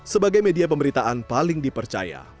sebagai media pemberitaan paling dipercaya